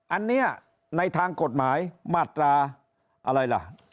อันนี้ในทางกฎหมายมาตราอะไรล่ะ